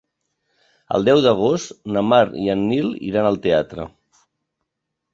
El deu d'agost na Mar i en Nil iran al teatre.